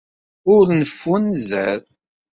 Ur neffunzer.